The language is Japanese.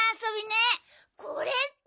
これって。